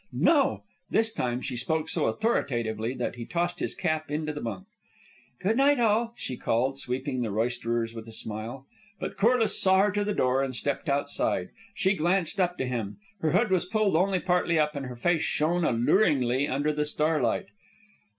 "No!" This time she spoke so authoritatively that he tossed his cap into the bunk. "Good night, all!" she called, sweeping the roisterers with a smile. But Corliss saw her to the door and stepped outside. She glanced up to him. Her hood was pulled only partly up, and her face shone alluringly under the starlight.